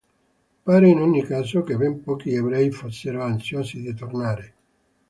Pare in ogni caso che ben pochi ebrei fossero ansiosi di tornare.